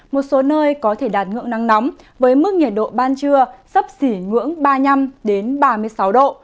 một số nơi có thể đạt ngưỡng nắng nóng với mức nhiệt độ ban trưa sấp xỉ ngưỡng ba mươi năm ba mươi sáu độ